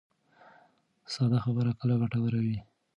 ساده خبرې کله ګټورې وي.